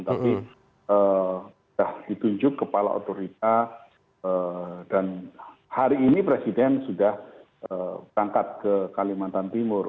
tapi sudah ditunjuk kepala otorita dan hari ini presiden sudah berangkat ke kalimantan timur